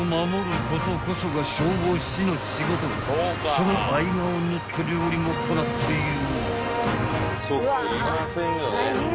［その合間を縫って料理もこなすという］